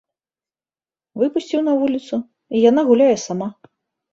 Выпусціў на вуліцу, і яна гуляе сама.